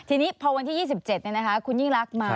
ทีนี้พอวันที่๒๗คุณยิ่งรักมา